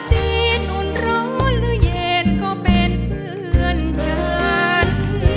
ดินอุ่นร้อนหรือเย็นก็เป็นเพื่อนฉัน